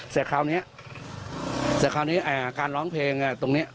เสร็จคราวนี้เสร็จคราวนี้เอ่อการร้องเพลงตรงนี้